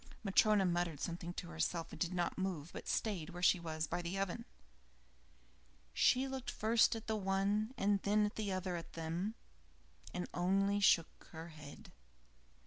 Matryona muttered something to herself and did not move, but stayed where she was, by the oven. She looked first at the one and then at the other of them, and only shook her head.